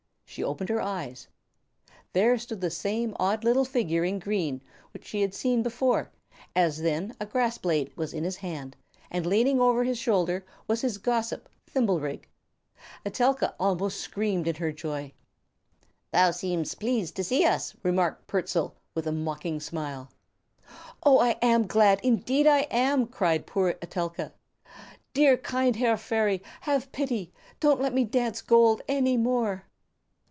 She opened her eyes. There stood the same odd little figure in green which she had seen before; as then a grass blade was in his hand, and leaning over his shoulder was his gossip Thimblerig. Etelka almost screamed in her joy. "Thou seemest pleased to see us," remarked Pertzal with a mocking smile. "Oh, I am glad, indeed I am," cried poor Etelka. "Dear kind Herr Fairy, have pity! Don't let me dance gold any more!"